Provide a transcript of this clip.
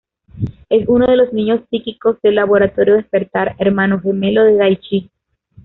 Es uno de los niños psíquicos del Laboratorio Despertar, hermano gemelo de Daichi.